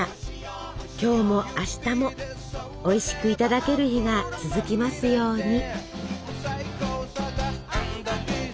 今日も明日もおいしくいただける日が続きますように。